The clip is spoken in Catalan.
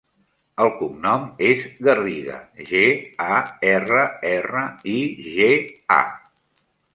El cognom és Garriga: ge, a, erra, erra, i, ge, a.